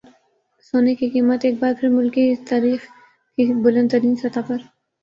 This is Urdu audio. سونے کی قیمت ایک بار پھر ملکی تاریخ کی بلند ترین سطح پر